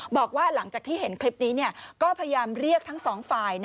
บอกว่าหลังจากที่เห็นคลิปนี้ก็พยายามเรียกทั้งสองฝ่าย